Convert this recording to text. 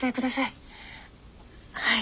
はい。